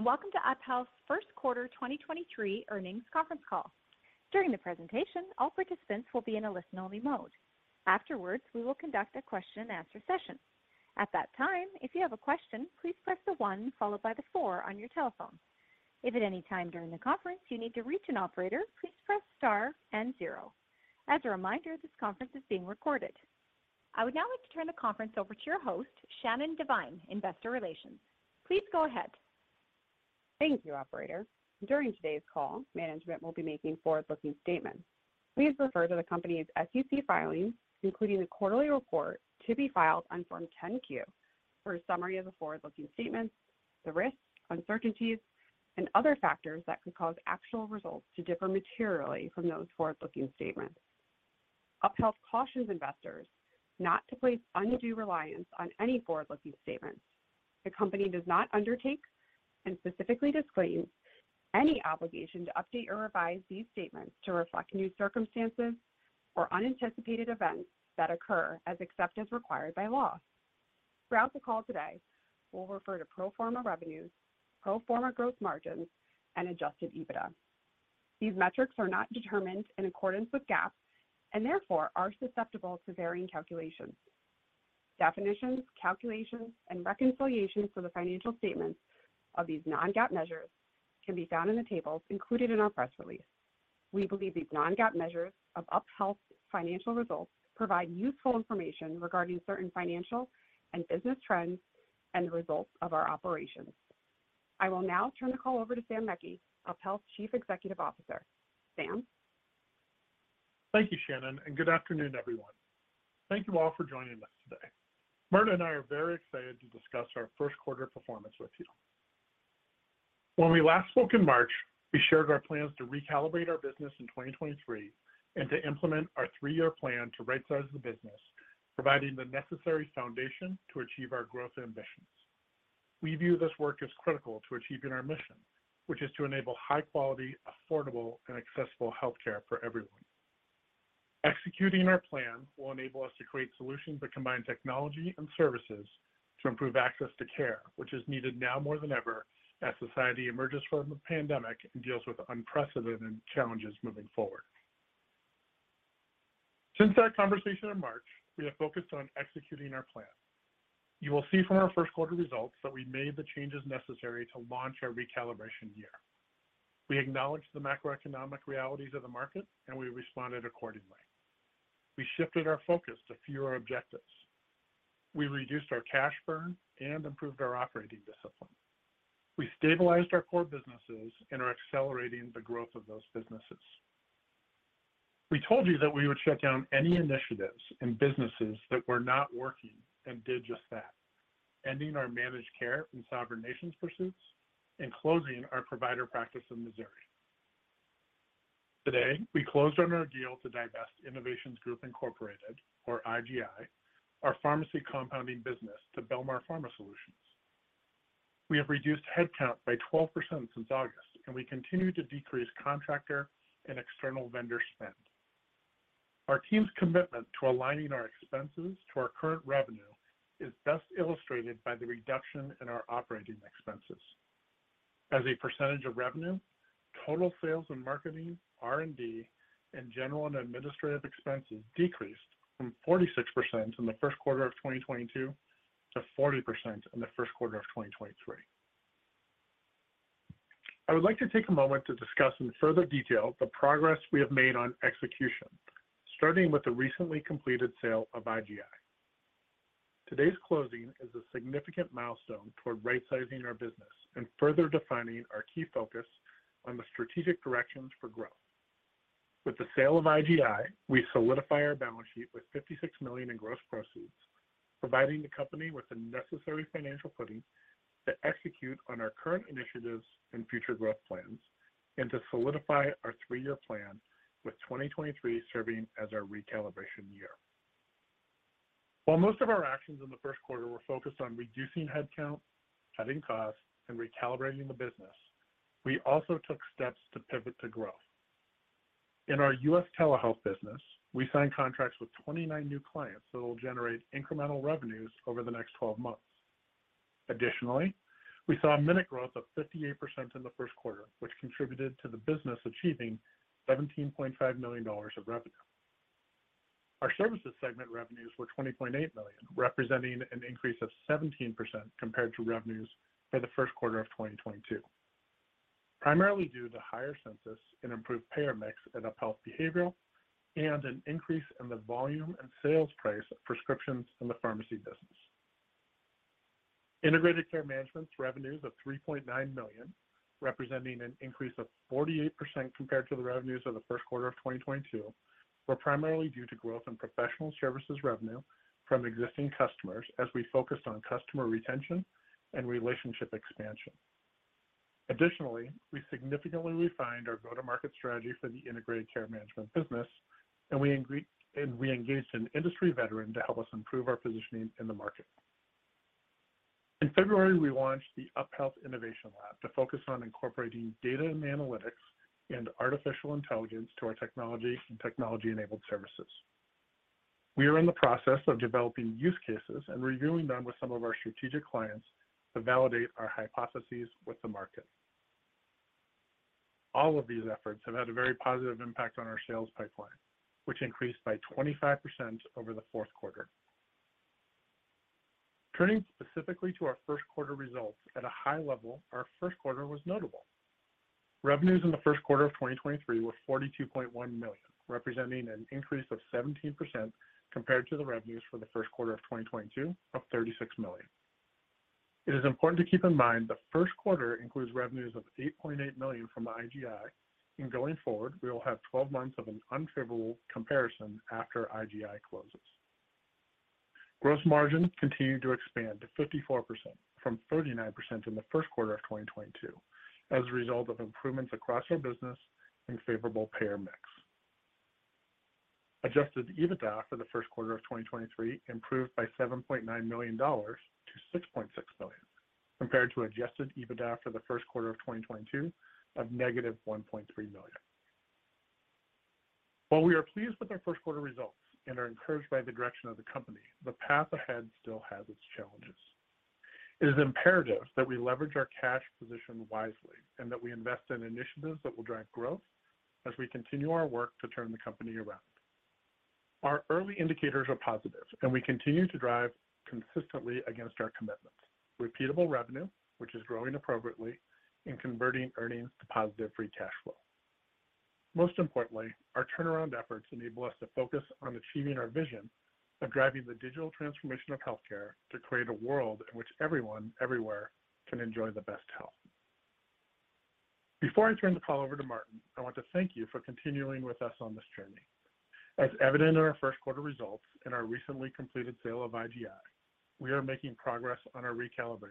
Greetings. Welcome to UpHealth's First Quarter 2023 Earnings Conference Call. During the presentation, all participants will be in a listen-only mode. Afterwards, we will conduct a Q&A session. At that time, if you have a question, please press the one followed by the four on your telephone. If at any time during the conference you need to reach an operator, please press star and zero. As a reminder, this conference is being recorded. I would now like to turn the conference over to your host, Shannon Devine, Investor Relations. Please go ahead. Thank you, operator. During today's call, management will be making forward-looking statements. Please refer to the company's SEC filings, including the quarterly report to be filed on Form 10-Q for a summary of the forward-looking statements, the risks, uncertainties and other factors that could cause actual results to differ materially from those forward-looking statements. UpHealth cautions investors not to place undue reliance on any forward-looking statements. The company does not undertake and specifically disclaims any obligation to update or revise these statements to reflect new circumstances or unanticipated events that occur, as except as required by law. Throughout the call today, we'll refer to pro forma revenues, pro forma growth margins, and Adjusted EBITDA. These metrics are not determined in accordance with GAAP and therefore are susceptible to varying calculations. Definitions, calculations and reconciliations for the financial statements of these non-GAAP measures can be found in the tables included in our press release. We believe these non-GAAP measures of UpHealth's financial results provide useful information regarding certain financial and business trends and the results of our operations. I will now turn the call over to Sam Meckey, UpHealth's Chief Executive Officer. Sam? Thank you, Shannon, and good afternoon, everyone. Thank you all for joining us today. Martin and I are very excited to discuss our first quarter performance with you. When we last spoke in March, we shared our plans to recalibrate our business in 2023 and to implement our three-year plan to rightsize the business, providing the necessary foundation to achieve our growth ambitions. We view this work as critical to achieving our mission, which is to enable high quality, affordable, and accessible health care for everyone. Executing our plan will enable us to create solutions that combine technology and services to improve access to care, which is needed now more than ever as society emerges from the pandemic and deals with unprecedented challenges moving forward. Since our conversation in March, we have focused on executing our plan. You will see from our first quarter results that we made the changes necessary to launch our recalibration year. We acknowledge the macroeconomic realities of the market, and we responded accordingly. We shifted our focus to fewer objectives. We reduced our cash burn and improved our operating discipline. We stabilized our core businesses and are accelerating the growth of those businesses. We told you that we would shut down any initiatives and businesses that were not working and did just that, ending our managed care and sovereign nations pursuits and closing our provider practice in Missouri. Today, we closed on our deal to divest Innovations Group, Inc., or IGI, our pharmacy compounding business, to Belmar Pharma Solutions. We have reduced headcount by 12% since August, and we continue to decrease contractor and external vendor spend. Our team's commitment to aligning our expenses to our current revenue is best illustrated by the reduction in our operating expenses. As a percentage of revenue, total sales and marketing, R&D, and general and administrative expenses decreased from 46% in the first quarter of 2022 to 40% in the first quarter of 2023. I would like to take a moment to discuss in further detail the progress we have made on execution, starting with the recently completed sale of IGI. Today's closing is a significant milestone toward rightsizing our business and further defining our key focus on the strategic directions for growth. With the sale of IGI, we solidify our balance sheet with $56 million in gross proceeds, providing the company with the necessary financial footing to execute on our current initiatives and future growth plans and to solidify our three-year plan, with 2023 serving as our recalibration year. While most of our actions in the first quarter were focused on reducing headcount, cutting costs, and recalibrating the business, we also took steps to pivot to growth. In our U.S. telehealth business, we signed contracts with 29 new clients that will generate incremental revenues over the next 12 months. Additionally, we saw a minute growth of 58% in the first quarter, which contributed to the business achieving $17.5 million of revenue. Our services segment revenues were $20.8 million, representing an increase of 17% compared to revenues for the first quarter of 2022, primarily due to higher census and improved payer mix at UpHealth Behavioral and an increase in the volume and sales price of prescriptions in the pharmacy business. Integrated Care Management's revenues of $3.9 million, representing an increase of 48% compared to the revenues of the first quarter of 2022, were primarily due to growth in professional services revenue from existing customers as we focused on customer retention and relationship expansion. Additionally, we significantly refined our go-to-market strategy for the Integrated Care Management business, and we engaged an industry veteran to help us improve our positioning in the market. In February, we launched the UpHealth Innovation Lab to focus on incorporating data and analytics and artificial intelligence to our technology and technology-enabled services. We are in the process of developing use cases and reviewing them with some of our strategic clients to validate our hypotheses with the market. All of these efforts have had a very positive impact on our sales pipeline, which increased by 25% over the fourth quarter. Turning specifically to our first quarter results, at a high level, our first quarter was notable. Revenues in the first quarter of 2023 were $42.1 million, representing an increase of 17% compared to the revenues for the first quarter of 2022 of $36 million. It is important to keep in mind the first quarter includes revenues of $8.8 million from IGI. Going forward, we will have 12 months of an unfavorable comparison after IGI closes. Gross margin continued to expand to 54% from 39% in the first quarter of 2022 as a result of improvements across our business and favorable payer mix. Adjusted EBITDA for the first quarter of 2023 improved by $7.9 million-$6.6 million, compared to Adjusted EBITDA for the first quarter of 2022 of -$1.3 million. While we are pleased with our first quarter results and are encouraged by the direction of the company, the path ahead still has its challenges. It is imperative that we leverage our cash position wisely and that we invest in initiatives that will drive growth as we continue our work to turn the company around. Our early indicators are positive and we continue to drive consistently against our commitments. Repeatable revenue, which is growing appropriately in converting earnings to positive free cash flow. Most importantly, our turnaround efforts enable us to focus on achieving our vision of driving the digital transformation of healthcare to create a world in which everyone, everywhere can enjoy the best health. Before I turn the call over to Martin, I want to thank you for continuing with us on this journey. As evident in our first quarter results and our recently completed sale of IGI, we are making progress on our recalibration.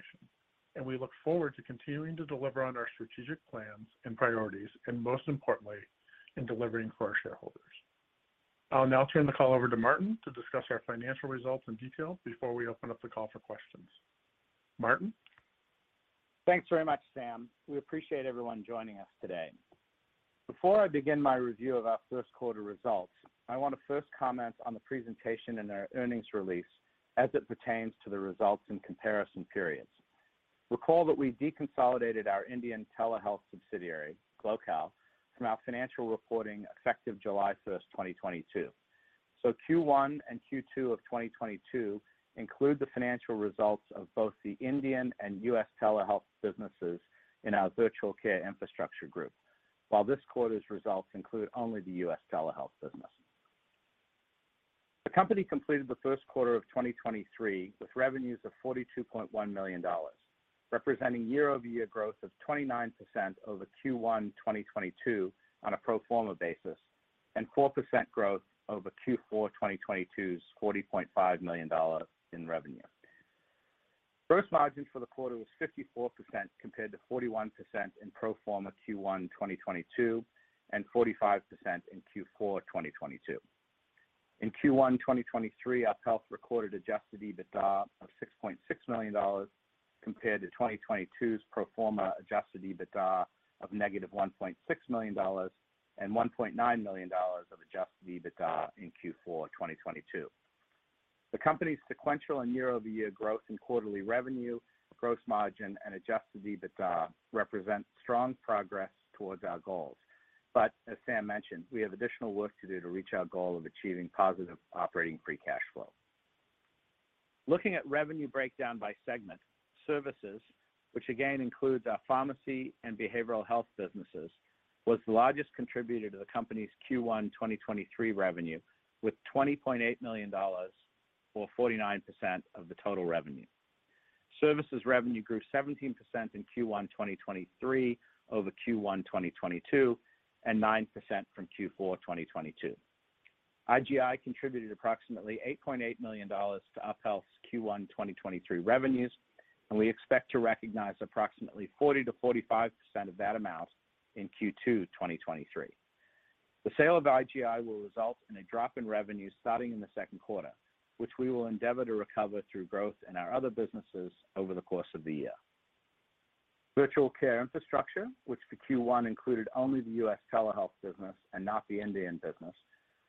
We look forward to continuing to deliver on our strategic plans and priorities, and most importantly, in delivering for our shareholders. I'll now turn the call over to Martin to discuss our financial results in detail before we open up the call for questions. Martin? Thanks very much, Sam. We appreciate everyone joining us today. Before I begin my review of our first quarter results, I want to first comment on the presentation in our earnings release as it pertains to the results and comparison periods. Recall that we deconsolidated our Indian telehealth subsidiary, Glocal, from our financial reporting effective July 1st, 2022. Q1 and Q2 of 2022 include the financial results of both the Indian and U.S. telehealth businesses in our Virtual Care Infrastructure group. While this quarter's results include only the U.S. telehealth business. The company completed the first quarter of 2023 with revenues of $42.1 million, representing YoY growth of 29% over Q1, 2022 on a pro forma basis, and 4% growth over Q4 2022's $40.5 million in revenue. Gross margin for the quarter was 54% compared to 41% in pro forma Q1 2022, and 45% in Q4 2022. In Q1 2023, UpHealth recorded Adjusted EBITDA of $6.6 million compared to 2022's pro forma Adjusted EBITDA of -$1.6 million and $1.9 million of Adjusted EBITDA in Q4 2022. The company's sequential and YoY growth in quarterly revenue, gross margin, and Adjusted EBITDA represent strong progress towards our goals. As Sam mentioned, we have additional work to do to reach our goal of achieving positive operating free cash flow. Looking at revenue breakdown by segment, services, which again includes our pharmacy and behavioral health businesses, was the largest contributor to the company's Q1 2023 revenue, with $20.8 million, or 49% of the total revenue. Services revenue grew 17% in Q1, 2023 over Q1, 2022, and 9% from Q4, 2022. IGI contributed approximately $8.8 million to UpHealth's Q1, 2023 revenues, we expect to recognize approximately 40%-45% of that amount in Q2, 2023. The sale of IGI will result in a drop in revenue starting in the second quarter, which we will endeavor to recover through growth in our other businesses over the course of the year. Virtual Care Infrastructure, which for Q1 included only the U.S. telehealth business and not the Indian business,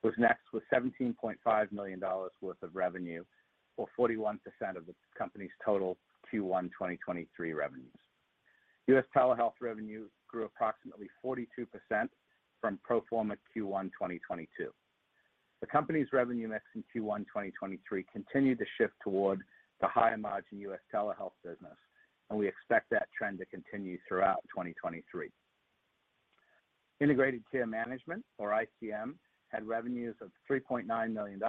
was next with $17.5 million worth of revenue, or 41% of the company's total Q1, 2023 revenues. U.S. telehealth revenue grew approximately 42% from pro forma Q1, 2022. The company's revenue mix in Q1 2023 continued to shift toward the higher margin U.S. telehealth business. We expect that trend to continue throughout 2023. Integrated Care Management, or ICM, had revenues of $3.9 million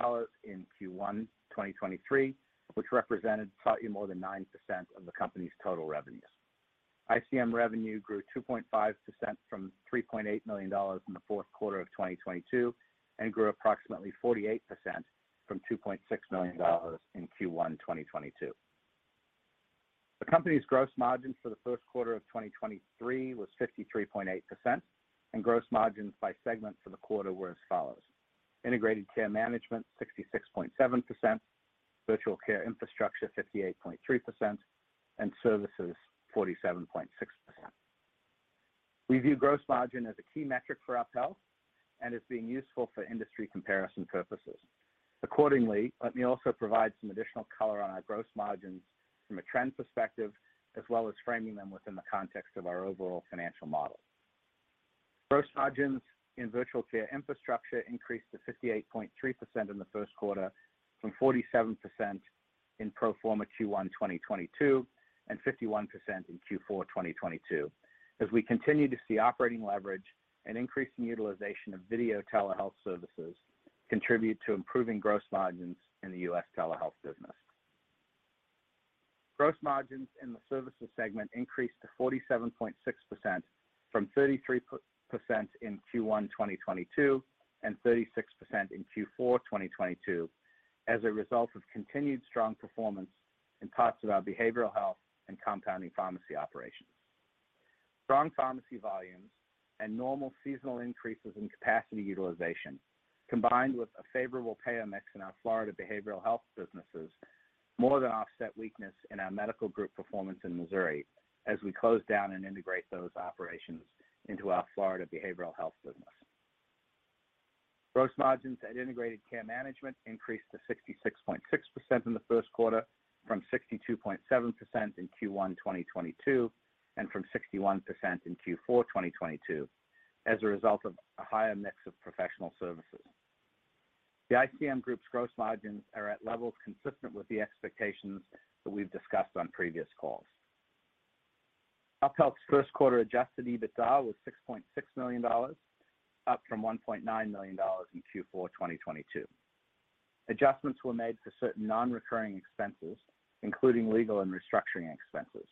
in Q1 2023, which represented slightly more than 9% of the company's total revenues. ICM revenue grew 2.5% from $3.8 million in the fourth quarter of 2022 and grew approximately 48% from $2.6 million in Q1 2022. The company's gross margin for the first quarter of 2023 was 53.8%. Gross margins by segment for the quarter were as follows: Integrated Care Management, 66.7%. Virtual Care Infrastructure, 58.3%. Services, 47.6%. We view gross margin as a key metric for UpHealth and as being useful for industry comparison purposes. Accordingly, let me also provide some additional color on our gross margins from a trend perspective, as well as framing them within the context of our overall financial model. Gross margins in Virtual Care Infrastructure increased to 58.3% in the first quarter from 47% in pro forma Q1 2022 and 51% in Q4 2022 as we continue to see operating leverage and increasing utilization of video telehealth services contribute to improving gross margins in the U.S. telehealth business. Gross margins in the services segment increased to 47.6% from 33% in Q1 2022 and 36% in Q4 2022 as a result of continued strong performance in parts of our behavioral health and compounding pharmacy operations. Strong pharmacy volumes and normal seasonal increases in capacity utilization, combined with a favorable payer mix in our Florida behavioral health businesses, more than offset weakness in our medical group performance in Missouri as we close down and integrate those operations into our Florida behavioral health business. Gross margins at Integrated Care Management increased to 66.6% in the first quarter from 62.7% in Q1 2022 and from 61% in Q4 2022 as a result of a higher mix of professional services. The ICM Group's gross margins are at levels consistent with the expectations that we've discussed on previous calls. UpHealth's first quarter Adjusted EBITDA was $6.6 million, up from $1.9 million in Q4 2022. Adjustments were made for certain non-recurring expenses, including legal and restructuring expenses.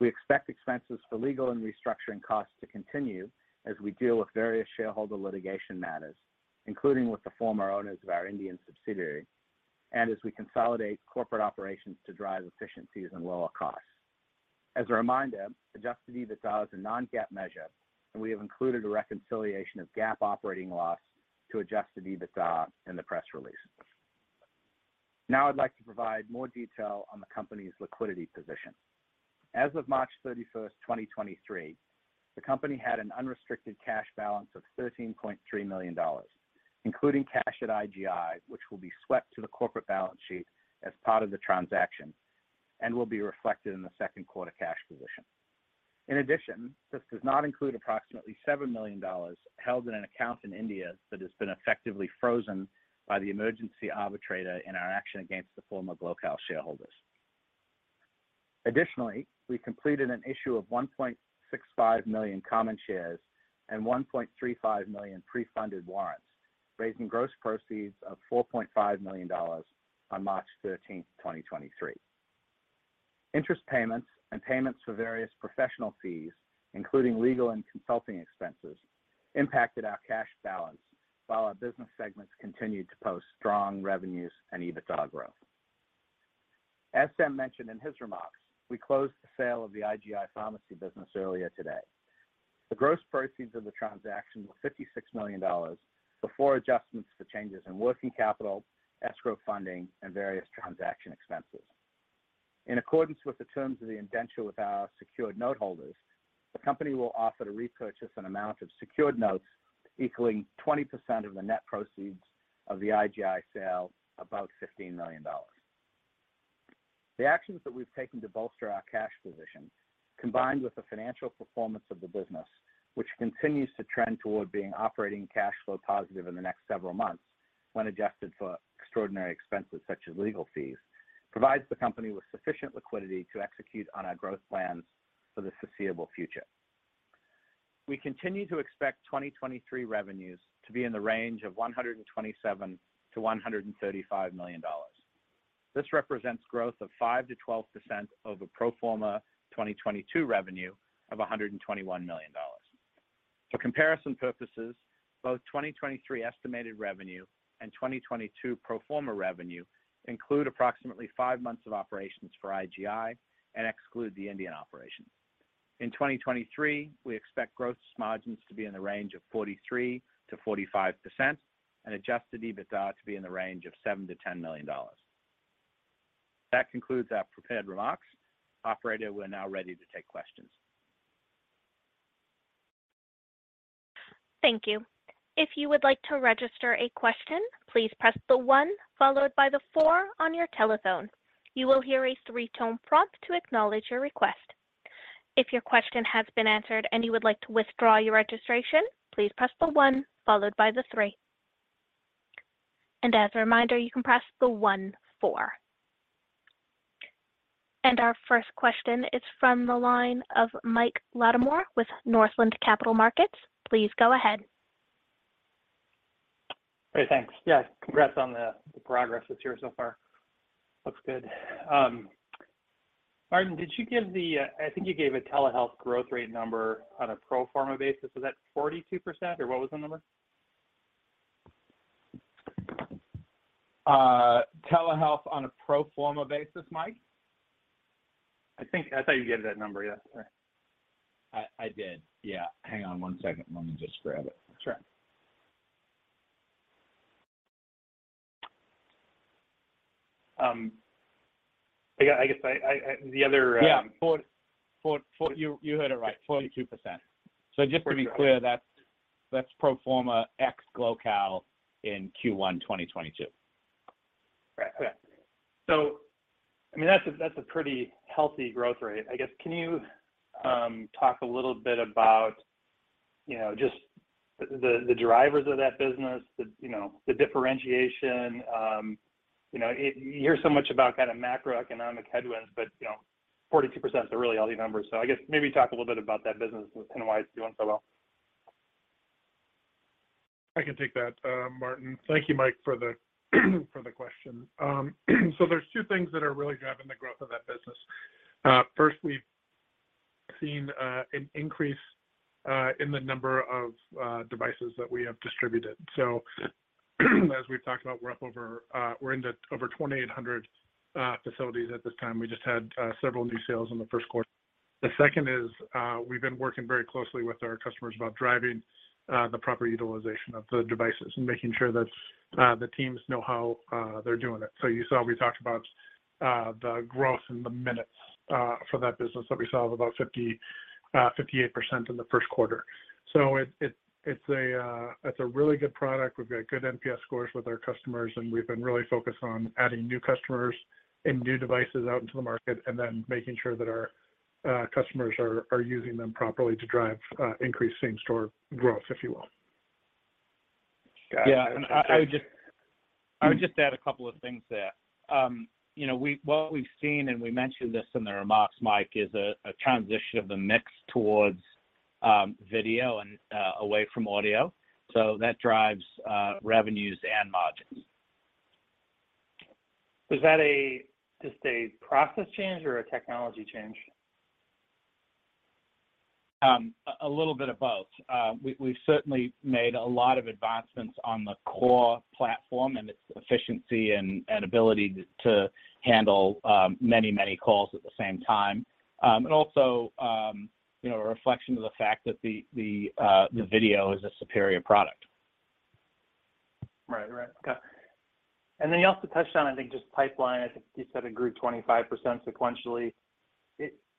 We expect expenses for legal and restructuring costs to continue as we deal with various shareholder litigation matters, including with the former owners of our Indian subsidiary and as we consolidate corporate operations to drive efficiencies and lower costs. As a reminder, Adjusted EBITDA is a non-GAAP measure, and we have included a reconciliation of GAAP operating loss to Adjusted EBITDA in the press release. Now I'd like to provide more detail on the company's liquidity position. As of March 31st, 2023, the company had an unrestricted cash balance of $13.3 million, including cash at IGI, which will be swept to the corporate balance sheet as part of the transaction and will be reflected in the second quarter cash position. This does not include approximately $7 million held in an account in India that has been effectively frozen by the emergency arbitrator in our action against the former Glocal shareholders. We completed an issue of 1.65 million common shares and 1.35 million pre-funded warrants, raising gross proceeds of $4.5 million on March 13th, 2023. Interest payments and payments for various professional fees, including legal and consulting expenses, impacted our cash balance while our business segments continued to post strong revenues and EBITDA growth. As Sam mentioned in his remarks, we closed the sale of the IGI pharmacy business earlier today. The gross proceeds of the transaction were $56 million before adjustments for changes in working capital, escrow funding, and various transaction expenses. In accordance with the terms of the indenture with our secured note holders, the company will offer to repurchase an amount of secured notes equaling 20% of the net proceeds of the IGI sale, about $15 million. The actions that we've taken to bolster our cash position, combined with the financial performance of the business, which continues to trend toward being operating cash flow positive in the next several months when adjusted for extraordinary expenses such as legal fees, provides the company with sufficient liquidity to execute on our growth plans for the foreseeable future. We continue to expect 2023 revenues to be in the range of $127 million-$135 million. This represents growth of 5%-12% over pro forma 2022 revenue of $121 million. For comparison purposes, both 2023 estimated revenue and 2022 pro forma revenue include approximately five months of operations for IGI and exclude the Indian operations. In 2023, we expect gross margins to be in the range of 43%-45% and Adjusted EBITDA to be in the range of $7 million-$10 million. That concludes our prepared remarks. Operator, we're now ready to take questions. Thank you. If you would like to register a question, please press the one followed by the four on your telephone. You will hear a three-tone prompt to acknowledge your request. If your question has been answered and you would like to withdraw your registration, please press the one followed by the three. As a reminder, you can press the one four. Our first question is from the line of Michael Latimore with Northland Capital Markets. Please go ahead. Great. Thanks. Yeah. Congrats on the progress this year so far. Looks good. Martin, did you give the... I think you gave a telehealth growth rate number on a pro forma basis. Was that 42%, or what was the number? telehealth on a pro forma basis, Mike? I thought you gave that number yesterday. I did. Yeah. Hang on one second. Let me just grab it. Sure. I guess I, the other. Yeah. You heard it right, 42%. 42. just to be clear, that's pro forma ex-Glocal in Q1 2022. Right. Okay. I mean, that's a pretty healthy growth rate. I guess, can you talk a little bit about, you know, just the drivers of that business, the differentiation? You know, you hear so much about kind of macroeconomic headwinds, but, you know, 42%'s a really healthy number. I guess maybe talk a little bit about that business and kind of why it's doing so well. I can take that, Martin. Thank you, Mike, for the question. There's two things that are really driving the growth of that business. First we've seen an increase in the number of devices that we have distributed. As we've talked about, we're up over, we're into over 2,800 facilities at this time. We just had several new sales in the first quarter. The second is, we've been working very closely with our customers about driving the proper utilization of the devices and making sure that the teams know how they're doing it. You saw we talked about the growth in the minutes for that business that we saw was about 58% in the first quarter. It's a really good product. We've got good NPS scores with our customers, and we've been really focused on adding new customers and new devices out into the market and then making sure that our customers are using them properly to drive increasing store growth, if you will. Got it. I would just add a couple of things there. you know, What we've seen, and we mentioned this in the remarks, Mike, is a transition of the mix towards video and away from audio. That drives, revenues and margins. Was that just a process change or a technology change? A little bit of both. We've certainly made a lot of advancements on the core platform and its efficiency and ability to handle many calls at the same time. You know, a reflection of the fact that the video is a superior product. Right. Right. Okay. You also touched on, I think, just pipeline. I think you said it grew 25% sequentially. Is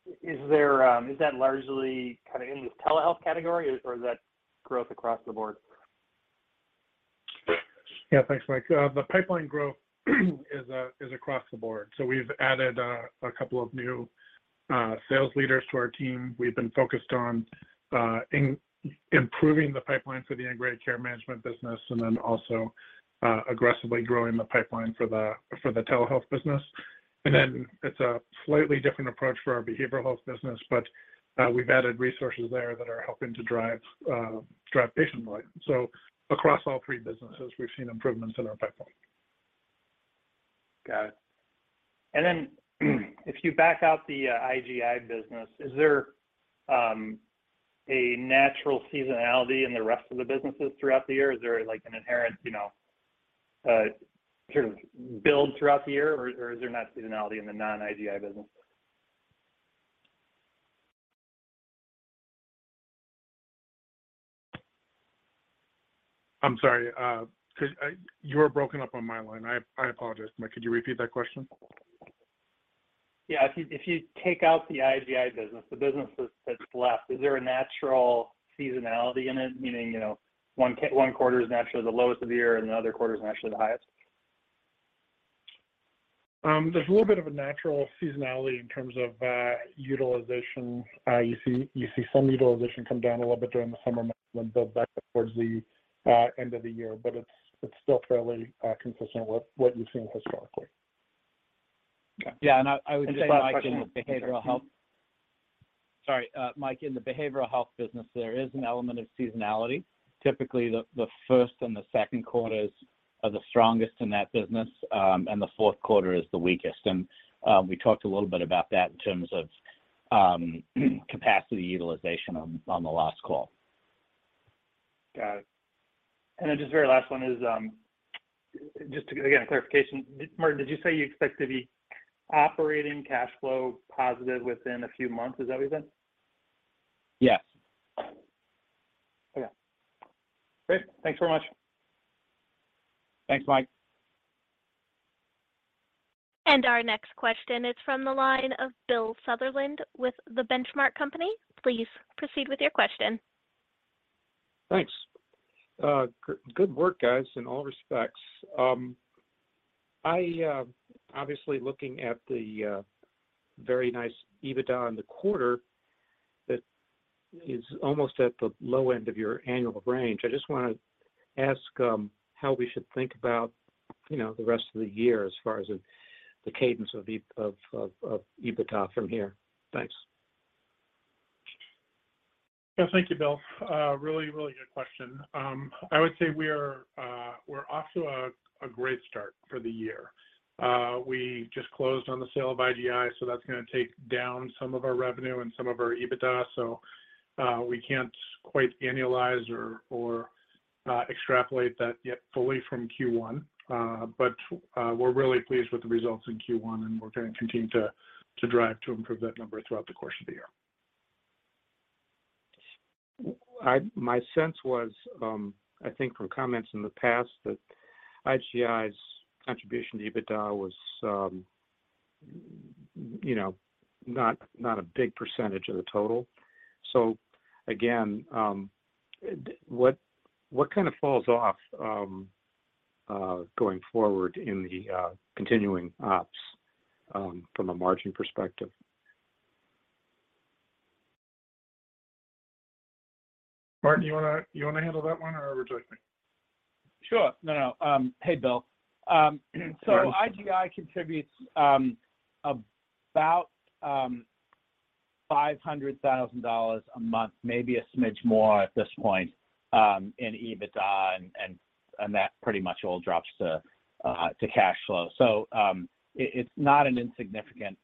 that largely kind of in the telehealth category, or is that growth across the board? Yeah. Thanks, Mike. The pipeline growth is across the board. We've added a couple of new sales leaders to our team. We've been focused on improving the pipeline for the Integrated Care Management business and then also aggressively growing the pipeline for the telehealth business. It's a slightly different approach for our behavioral health business, but we've added resources there that are helping to drive patient load. Across all three businesses, we've seen improvements in our pipeline. Got it. If you back out the IGI business, is there a natural seasonality in the rest of the businesses throughout the year? Is there, like, an inherent, you know, sort of build throughout the year, or is there not seasonality in the non-IGI business? I'm sorry. You were broken up on my line. I apologize, Mike. Could you repeat that question? Yeah. If you take out the IGI business, the businesses that's left, is there a natural seasonality in it? Meaning, you know, one quarter is naturally the lowest of the year, and the other quarter is naturally the highest. There's a little bit of a natural seasonality in terms of utilization. You see some utilization come down a little bit during the summer months and build back up towards the end of the year. It's still fairly consistent with what you've seen historically. Okay. Yeah, and I would say, Mike- Just last question?... in the behavioral health... Sure. Sorry. Mike, in the behavioral health business, there is an element of seasonality. Typically, the first and the second quarters are the strongest in that business, and the fourth quarter is the weakest. We talked a little bit about that in terms of capacity utilization on the last call. Got it. Then just very last one is, just to, again, clarification. Martin, did you say you expect to be operating cash flow positive within a few months? Is that what you said? Yes. Okay. Great. Thanks so much. Thanks, Mike. Our next question is from the line of Bill Sutherland with The Benchmark Company. Please proceed with your question. Thanks. Good work, guys, in all respects. I obviously looking at the very nice EBITDA in the quarter that is almost at the low end of your annual range. I just wanna ask, how we should think about, you know, the rest of the year as far as the cadence of EBITDA from here? Thanks. Yeah. Thank you, Bill. really good question. I would say we are, we're off to a great start for the year. We just closed on the sale of IGI, that's gonna take down some of our revenue and some of our EBITDA, we can't quite annualize or extrapolate that yet fully from Q1. We're really pleased with the results in Q1, and we're gonna continue to drive to improve that number throughout the course of the year. I, my sense was, I think from comments in the past that IGI's contribution to EBITDA was, you know, not a big percentage of the total. Again, what kind of falls off going forward in the continuing ops from a margin perspective? Martin, do you wanna handle that one or over to me? Sure. No, no. Hey, Bill. IGI contributes about $500,000 a month, maybe a smidge more at this point, in EBITDA and that pretty much all drops to cash flow. It's not an insignificant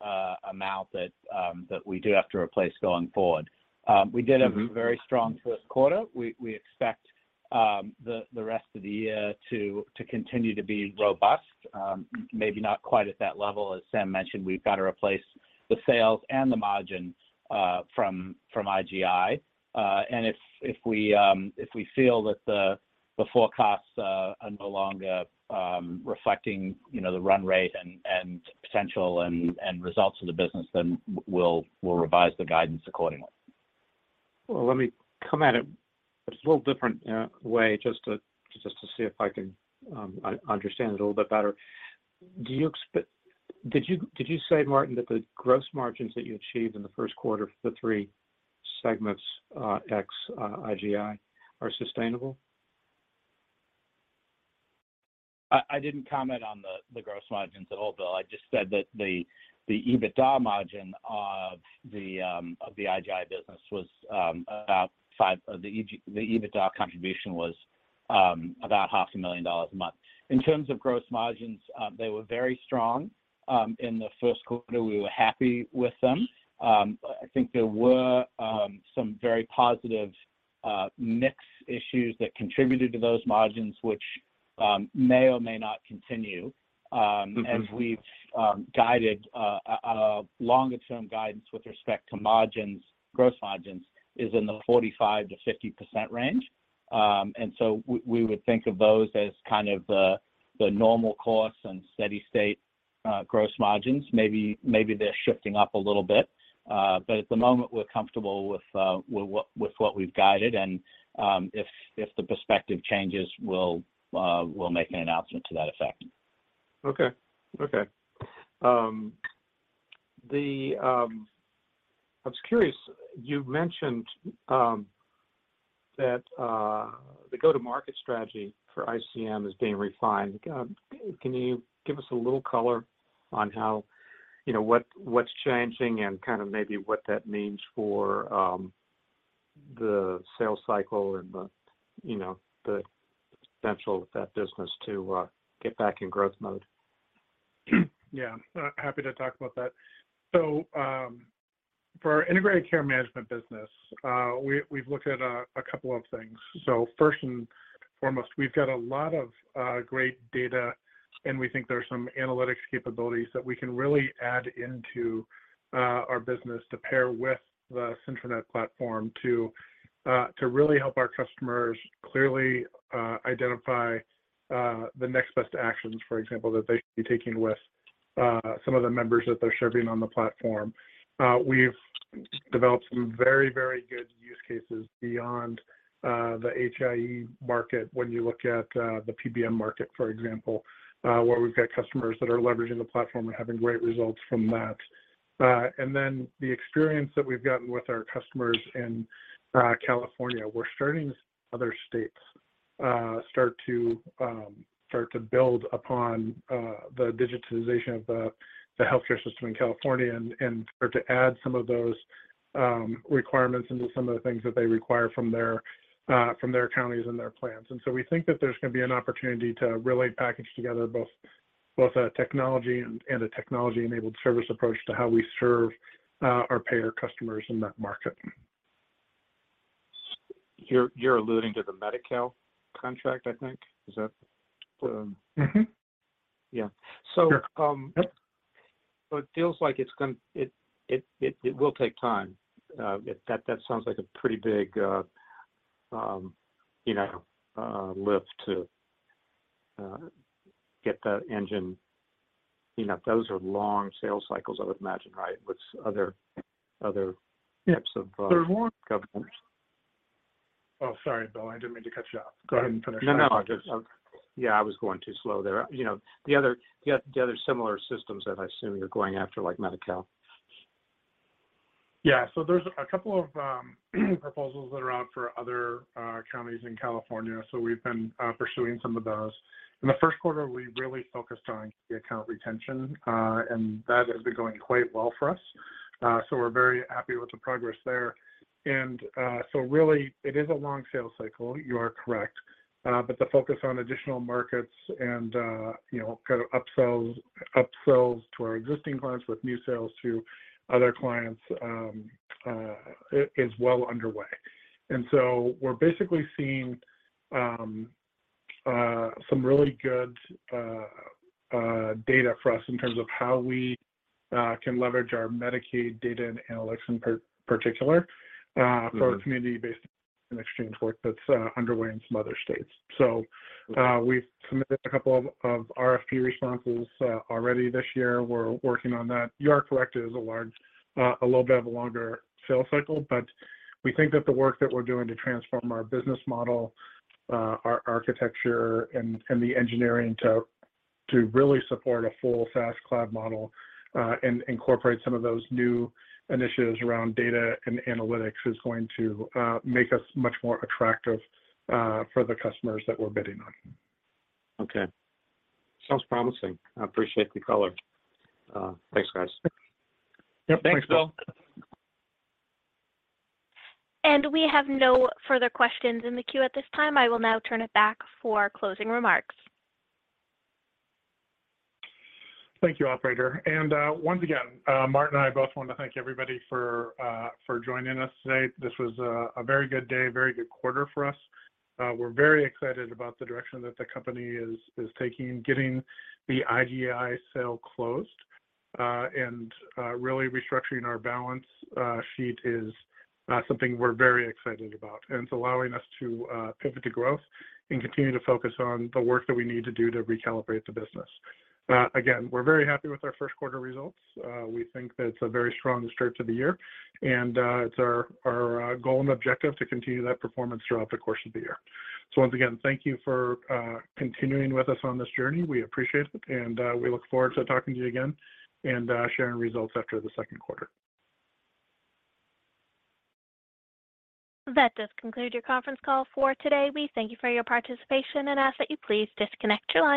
amount that we do have to replace going forward. We did a- Mm-hmm... very strong first quarter. We expect the rest of the year to continue to be robust, maybe not quite at that level. As Sam mentioned, we've got to replace the sales and the margins from IGI. If we feel that the forecasts are no longer reflecting, you know, the run rate and potential and results of the business, then we'll revise the guidance accordingly. Well, let me come at it just a little different, way, just to, just to see if I can, un-understand it a little bit better. Did you say, Martin, that the gross margins that you achieved in the first quarter for the three segments, ex, IGI are sustainable? I didn't comment on the gross margins at all, Bill. I just said that the EBITDA margin of the IGI business was about $500,000 a month. In terms of gross margins, they were very strong in the first quarter. We were happy with them. I think there were some very positive mix issues that contributed to those margins which may or may not continue. Mm-hmm as we've guided a longer-term guidance with respect to margins, gross margins is in the 45%-50% range. We would think of those as kind of the normal course and steady state gross margins. Maybe they're shifting up a little bit, but at the moment we're comfortable with what we've guided and if the perspective changes, we'll make an announcement to that effect. Okay. Okay. I was curious, you mentioned that the go-to-market strategy for ICM is being refined. Can you give us a little color on how, you know, what's changing and kind of maybe what that means for the sales cycle and the, you know, the potential of that business to get back in growth mode? Yeah. Happy to talk about that. For our Integrated Care Management business, we've looked at a couple of things. First and foremost, we've got a lot of great data, and we think there are some analytics capabilities that we can really add into our business to pair with the SyntraNet platform to really help our customers clearly identify the next best actions, for example, that they should be taking with some of the members that they're serving on the platform. We've developed some very, very good use cases beyond the HIE market when you look at the PBM market, for example, where we've got customers that are leveraging the platform and having great results from that. The experience that we've gotten with our customers in California, we're starting other states start to build upon the digitalization of the healthcare system in California and start to add some of those requirements into some of the things that they require from their counties and their plans. We think that there's gonna be an opportunity to really package together both a technology and a technology-enabled service approach to how we serve our payer customers in that market. You're alluding to the Medi-Cal contract, I think. Mm-hmm. Yeah. Sure. Yep. It feels like it will take time. That sounds like a pretty big, you know, lift to get the engine cleaned up. Those are long sales cycles, I would imagine, right? With other Yeah... types of. There's more. governors Oh, sorry, Bill. I didn't mean to cut you off. Go ahead and finish your thought. No, no. Just. Yeah, I was going too slow there. You know, the other similar systems that I assume you're going after, like Medi-Cal. There's a couple of proposals that are out for other counties in California, so we've been pursuing some of those. In the first quarter, we really focused on the account retention, and that has been going quite well for us. We're very happy with the progress there. Really, it is a long sales cycle, you are correct. The focus on additional markets and, you know, kind of upsells to our existing clients with new sales to other clients, is well underway. We're basically seeing some really good data for us in terms of how we can leverage our Medicaid data and analytics in particular. Mm-hmm... for our community-based and exchange work that's underway in some other states. We've submitted a couple of RFP responses already this year. We're working on that. You are correct. It is a large, a little bit of a longer sales cycle, but we think that the work that we're doing to transform our business model, our architecture and the engineering to really support a full SaaS cloud model and incorporate some of those new initiatives around data and analytics is going to make us much more attractive for the customers that we're bidding on. Okay. Sounds promising. I appreciate the color. Thanks, guys. Yep. Thanks, Bill. Thanks, Bill. We have no further questions in the queue at this time. I will now turn it back for closing remarks. Thank you, operator. Once again, Martin and I both want to thank everybody for joining us today. This was a very good day, very good quarter for us. We're very excited about the direction that the company is taking. Getting the IGI sale closed and really restructuring our balance sheet is something we're very excited about, and it's allowing us to pivot to growth and continue to focus on the work that we need to do to recalibrate the business. Again, we're very happy with our first quarter results. We think that it's a very strong start to the year, and it's our goal and objective to continue that performance throughout the course of the year. Once again, thank you for continuing with us on this journey. We appreciate it, and we look forward to talking to you again and sharing results after the second quarter. That does conclude your conference call for today. We thank you for your participation and ask that you please disconnect your line.